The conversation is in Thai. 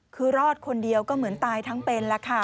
คือรอดคนเดียวก็เหมือนตายทั้งเป็นแล้วค่ะ